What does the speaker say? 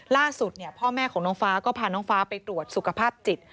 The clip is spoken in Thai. ล่าสุดเนี่ยพ่อแม่ของน้องฟ้าก็พาน้องฟ้าไปตรวจสุขภาพจิต